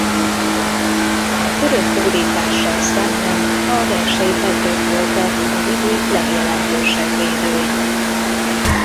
A török hódítással szemben a gersei Pethők voltak a vidék legjelentősebb védői.